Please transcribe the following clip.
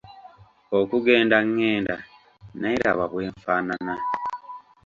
Okugenda ngenda naye laba bwenfaanana.